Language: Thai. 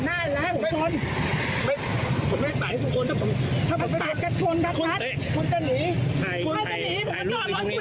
เขาจะหนีถูกี่เลยไง